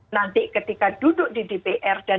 nanti ketika duduk di dpr dan